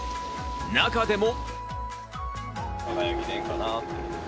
中でも。